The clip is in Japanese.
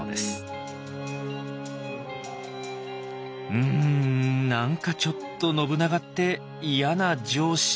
うん何かちょっと信長って嫌な上司。